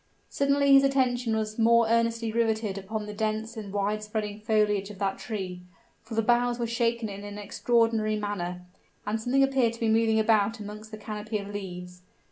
Suddenly his attention was more earnestly riveted upon the dense and wide spreading foliage of that tree; for the boughs were shaken in an extraordinary manner, and something appeared to be moving about amongst the canopy of leaves.